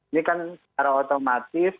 ini kan secara otomatis